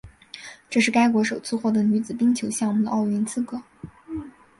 这是该国首次获得女子冰球项目的奥运资格。